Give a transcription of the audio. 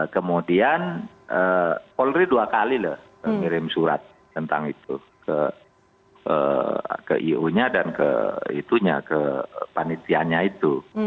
kemudian polri dua kali loh mengirim surat tentang itu ke iu nya dan ke itunya ke panitianya itu